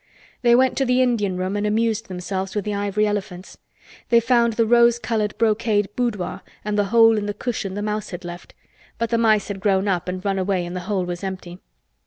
They went to the Indian room and amused themselves with the ivory elephants. They found the rose colored brocade boudoir and the hole in the cushion the mouse had left, but the mice had grown up and run away and the hole was empty.